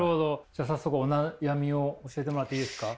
じゃあ早速お悩みを教えてもらっていいですか？